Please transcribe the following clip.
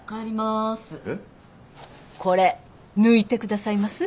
これ抜いてくださいます？